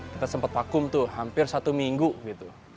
kita sempat vakum tuh hampir satu minggu gitu